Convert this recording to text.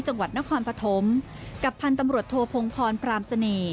จังหวัดนครปฐมกับพันธุ์ตำรวจโทพงพรพรามเสน่ห์